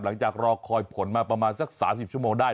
รอคอยผลมาประมาณสัก๓๐ชั่วโมงได้